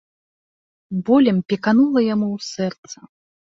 Болем пеканула яму ў сэрца.